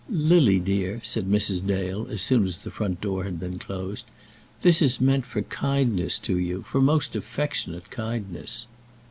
"Lily, dear," said Mrs. Dale, as soon as the front door had been closed, "this is meant for kindness to you, for most affectionate kindness."